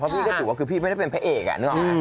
เพราะพี่ก็ถูกว่าพี่ไม่ได้เป็นพระเอกนึกออกไหม